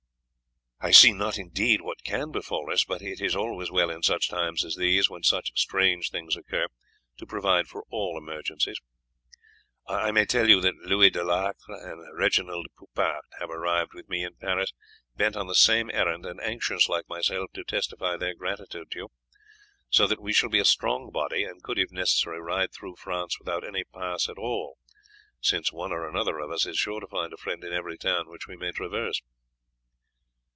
"I see not indeed what can befall us; but it is always well in such times as these, when such strange things occur, to provide for all emergencies. I may tell you that Louis de Lactre and Reginald Poupart have arrived with me in Paris bent on the same errand, and anxious like myself to testify their gratitude to you; so that we shall be a strong body, and could if necessary ride through France without any pass at all, since one or other of us is sure to find a friend in every town which we may traverse."